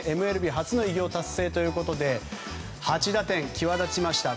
ＭＬＢ初の偉業達成ということで８打点、際立ちました。